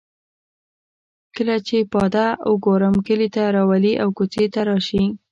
کله چې پاده او ګورم کلي ته راولي او کوڅې ته راشي.